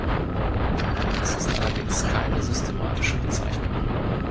Es ist allerdings keine systematische Bezeichnung.